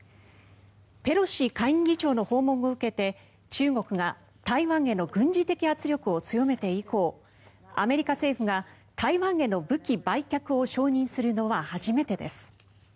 ペロシ下院議長の訪問を受けて中国が台湾への軍事的圧力を強めて以降、アメリカ政府が台湾への武器売却を承認するのは初めてです。